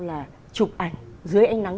là chụp ảnh dưới ánh nắng